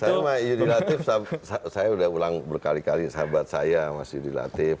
saya rumah iyudi latif saya udah ulang berkali kali sahabat saya mas iyudi latif